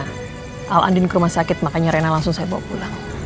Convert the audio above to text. kalau andin ke rumah sakit makanya rena langsung saya bawa pulang